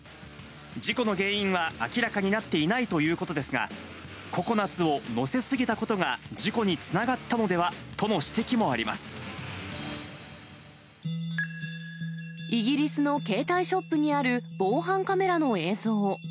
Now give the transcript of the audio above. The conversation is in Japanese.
事故の原因は明らかになっていないということですが、ココナツを載せ過ぎたことが事故につながったのではとの指摘もあイギリスの携帯ショップにある防犯カメラの映像。